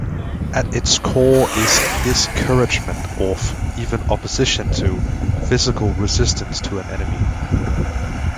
At its core is discouragement of, even opposition to, physical resistance to an enemy.